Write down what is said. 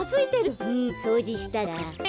うんそうじしたんだ。